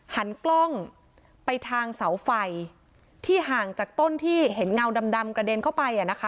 หันกล้องไปทางเสาไฟที่ห่างจากต้นที่เห็นเงาดำกระเด็นเข้าไปอ่ะนะคะ